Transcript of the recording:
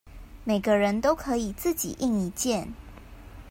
每個人都可以自己印一件